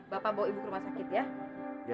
bapak bawa ibu ke rumah sakit ya